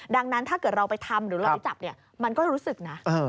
ดังนั้นถ้าเกิดเราไปทำหรือเราไปจับเนี่ยมันก็รู้สึกนะ